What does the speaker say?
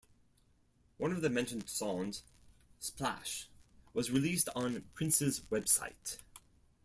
One of the mentioned songs, "Splash" was released on Prince's website.